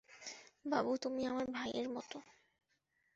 বাবু, তুমি আমার ভাইয়ের মতো।